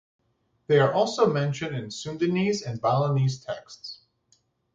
They are also mentioned in Sundanese and Balinese texts.